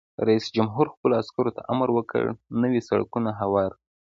رئیس جمهور خپلو عسکرو ته امر وکړ؛ نوي سړکونه هوار کړئ!